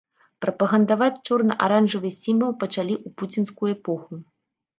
Прапагандаваць чорна-аранжавы сімвал пачалі ў пуцінскую эпоху.